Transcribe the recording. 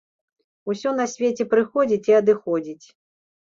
Усё на свеце прыходзіць і адыходзіць.